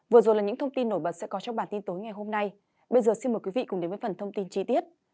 vừa rồi là những thông tin nổi bật sẽ có trong bản tin tối ngày hôm nay bây giờ xin mời quý vị cùng đến với phần thông tin chi tiết